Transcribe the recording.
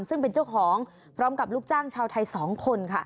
ซึ่งเป็นเจ้าของพร้อมกับลูกจ้างชาวไทย๒คนค่ะ